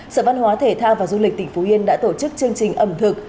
sở văn hóa thể thao và du lịch tỉnh phú yên đã tổ chức chương trình ẩm thực